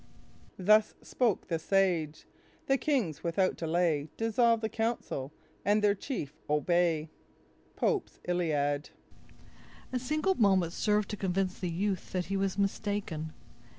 "Thus spoke the sage: the kings without delay Dissolve the council, and their chief obey." —Pope's Iliad A single moment served to convince the youth that he was mistaken.